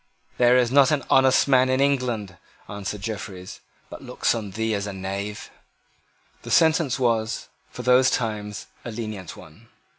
"There is not an honest man in England," answered Jeffreys, "but looks on thee as a knave." The sentence was, for those times, a lenient one.